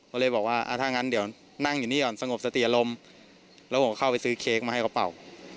ก็เลยบอกว่าถ้างั้นเดี๋ยวนั่งอยู่นี่ก่อนสงบสติอารมณ์แล้วผมก็เข้าไปซื้อเค้กมาให้กระเป๋า